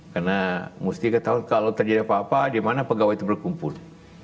karena mesti ketahuan kalau terjadi apa apa di mana pegawai itu berkumpul